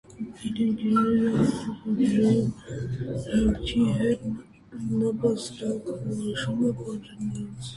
Իր ընկերներ արջուկի ու ջրարջի հետ նապաստակը որոշում է պատժել նրանց։